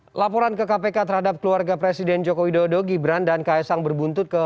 hai laporan ke kpk terhadap keluarga presiden jokowi dodo gibran dan kaisang berbuntut ke